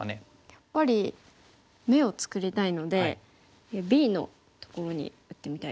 やっぱり眼を作りたいのでＢのところに打ってみたいです。